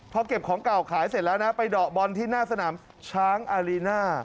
พอเก็บของเก่าขายเสร็จแล้วนะไปเดาะบอลที่หน้าสนามช้างอารีน่า